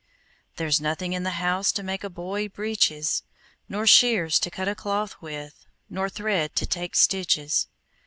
"There's nothing in the house To make a boy breeches, Nor shears to cut a cloth with Nor thread to take stitches.